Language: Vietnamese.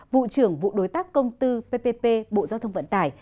vụ trưởng vụ đối tác công tư ppp bộ giao thông vận tải